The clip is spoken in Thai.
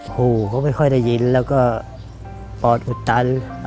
หูเขาไม่ค่อยได้ยินแล้วก็ปอดอุดตัน